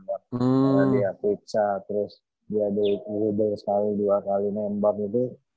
karena dia pica terus dia ada google sekali dua kali membang gitu